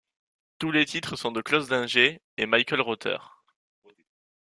Tous les titres sont de Klaus Dinger et Michael Rother.